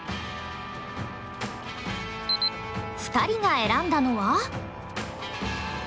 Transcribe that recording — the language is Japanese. ２人が選んだのは？